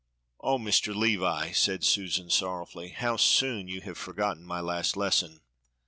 "Oh, Mr. Levi," said Susan sorrowfully, "how soon you have forgotten my last lesson!"